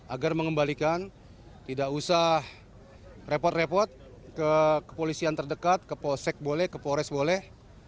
agar mengembalikan tidak usah repot repot ke kepolisian terdekat ke posek boleh ke polres boleh